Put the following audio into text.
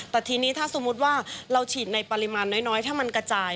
แต่ทีนี้ถ้าสมมุติว่าเราฉีดในปริมาณน้อยถ้ามันกระจาย